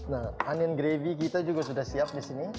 nah onion gravy kita juga sudah siap di sini